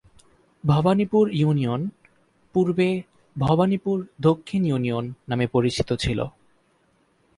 Bhabanipur union পূর্বে ভবানীপুর দক্ষিণ union নামে পরিচিত ছিল।